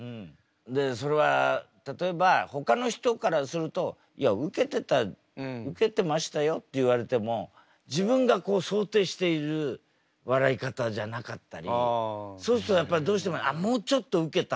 でそれは例えばほかの人からすると「いやウケてた」「ウケてましたよ」って言われても自分が想定している笑い方じゃなかったりそうするとやっぱりどうしても「ああもうちょっとウケたはず」とか。